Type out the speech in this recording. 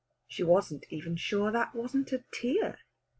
She wasn't even sure that wasn't a tear.